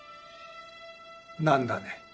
何だね